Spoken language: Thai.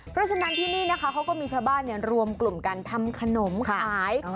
เพราะฉะนั้นที่นี่นะคะเขาก็มีชาวบ้านรวมกลุ่มกันทำขนมขาย